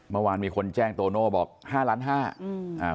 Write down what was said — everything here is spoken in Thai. เมื่อวานมีคนแจ้งโตโน่บอก๕๕ล้าน